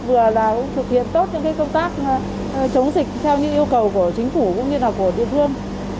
vừa là thực hiện tốt những công tác chống dịch theo như yêu cầu của chính phủ cũng như là của địa phương